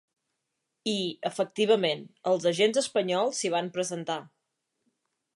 I, efectivament, els agents espanyols s’hi van presentar.